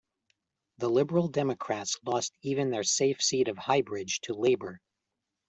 The Liberal Democrats lost even their safe seat of Highbridge to Labour.